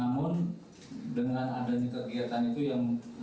namun dengan adanya kegiatan itu yang